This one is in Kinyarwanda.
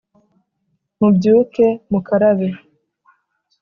Mubyuke Mukarabe